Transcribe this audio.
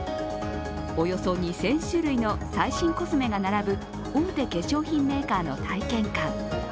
およそ２０００種類の最新コスメが並ぶ大手化粧品メーカーの体験館。